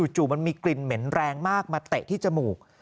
จู่มันมีกลิ่นเหม็นแรงมากมาเตะที่จมูก